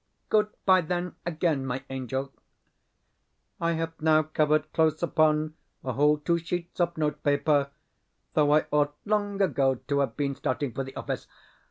Good bye, then, again, my angel. I have now covered close upon a whole two sheets of notepaper, though I ought long ago to have been starting for the office.